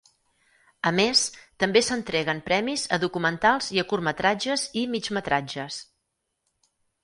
A més, també s'entreguen premis a documentals i a curtmetratges i migmetratges.